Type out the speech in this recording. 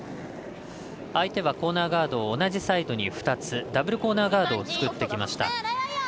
相手はコーナーガードを同じサイドに２つダブルコーナーガードを作ってきました。